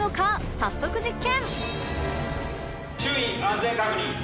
早速実験